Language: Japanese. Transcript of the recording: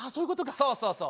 そうそうそう。